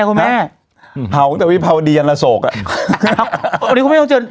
ก็มีคนเดียวเนี่ยแหละเอาไปคุณไอ้มาสเชิญค่ะ